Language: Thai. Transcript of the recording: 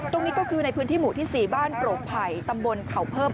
ตรงนี้ก็คือในพื้นที่หมู่ที่๔บ้านโปรกไผ่ตำบลเขาเพิ่ม